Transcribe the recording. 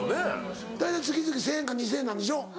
大体月々１０００円か２０００円なんでしょ？